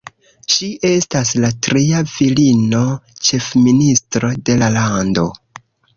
Ŝi estas la tria virino-ĉefministro de la lando.